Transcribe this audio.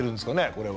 これは。